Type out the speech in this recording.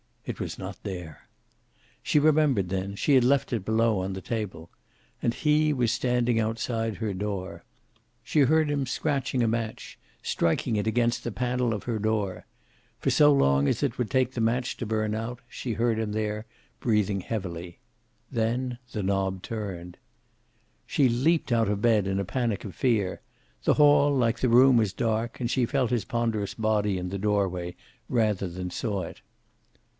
It was not there. She remembered then; she had left it below, on the table. And he was standing outside her door. She heard him scratching a match, striking it against the panel of her door. For so long as it would take the match to burn out, she heard him there, breathing heavily. Then the knob turned. She leaped out of the bed in a panic of fear. The hall, like the room, was dark, and she felt his ponderous body in the doorway, rather than saw it.